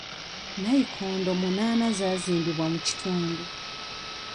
Nnayikondo munaana zaazimbiddwa mu kitundu.